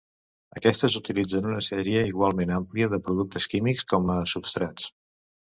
Aquests utilitzen una sèrie igualment àmplia de productes químics com a substrats.